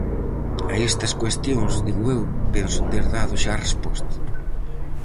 A estas cuestións -digo eu-penso ter dado xa resposta.